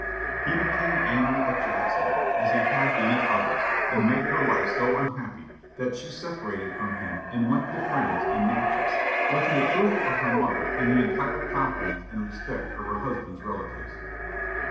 He became angry at Jackson, as he had been at others, and made her life so unhappy that she separated from him and went to friends in Natchez, with the approval of her mother, and the entire confidence and respect of her husband's relatives.